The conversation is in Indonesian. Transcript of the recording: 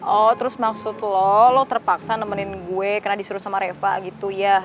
oh terus maksud lo lo terpaksa nemenin gue karena disuruh sama reva gitu ya